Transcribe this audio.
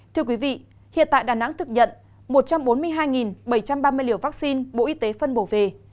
thưa quý vị hiện tại đà nẵng thực nhận một trăm bốn mươi hai bảy trăm ba mươi liều vaccine bộ y tế phân bổ về